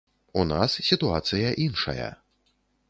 У нас сітуацыя іншая.